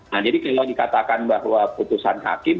nah jadi kalau dikatakan bahwa putusan hakim